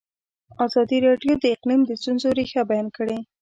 ازادي راډیو د اقلیم د ستونزو رېښه بیان کړې.